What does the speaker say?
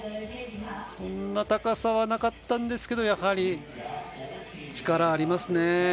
そんな高さはなかったんですけどやはり力ありますね。